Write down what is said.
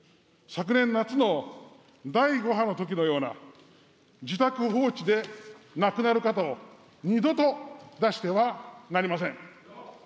昨年夏の第５波のときのような、自宅放置で亡くなる方を二度と出してはなりません。